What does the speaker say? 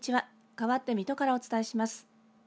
かわって水戸からお伝えします。